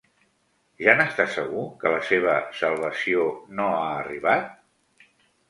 Ja n'està segur que la seva salvació no ha arribat?